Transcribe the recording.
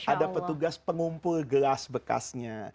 ada petugas pengumpul gelas bekasnya